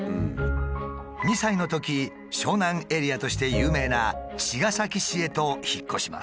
２歳のとき湘南エリアとして有名な茅ヶ崎市へと引っ越します。